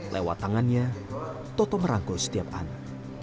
lewat tangannya toto merangkul setiap anak